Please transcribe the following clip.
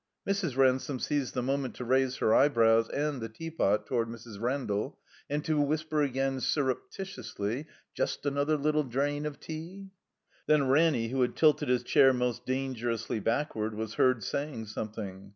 Mrs. Ransome seized the moment to raise her eyebrows and the teapot toward Mrs. Randall, and to whisper again, surreptitiously, "Jest another little drain of tea?" Then Ranny, who had tilted his chair most danger ously backward, was heard saying something.